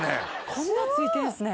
こんなついてんっすね。